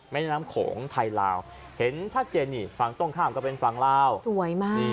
แม่น้ำโขงไทยลาวเห็นชัดเจนนี่ฝั่งตรงข้ามก็เป็นฝั่งลาวสวยมาก